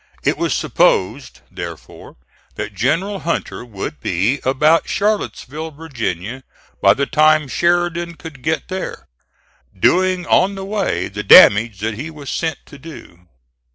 It was supposed, therefore, that General Hunter would be about Charlottesville, Virginia, by the time Sheridan could get there, doing on the way the damage that he was sent to do.